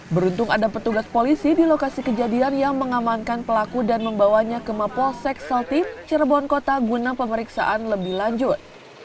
beruntung ada petugas polisi di lokasi kejadian yang mengamankan pelaku dan membawanya ke mapolsek saltim cirebon kota guna pemeriksaan lebih lanjut